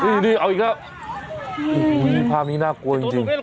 อุ้ยอีกแล้วอุ้ยภาพนี้น่ากลัวจริงจริง